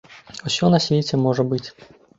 Усё на свеце можа быць.